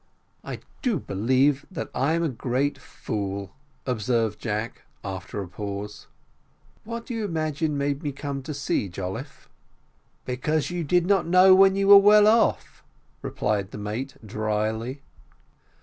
"I do believe that I am a great fool," observed Jack, after a pause. "What do you imagine made me come to sea, Jolliffe?" "Because you did not know when you were well off," replied the mate dryly.